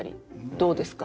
どうですか？